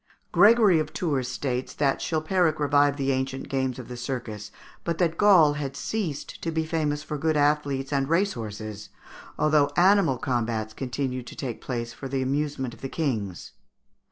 Gregory of Tours states that Chilpéric revived the ancient games of the circus, but that Gaul had ceased to be famous for good athletes and race horses, although animal combats continued to take place for the amusement of the kings.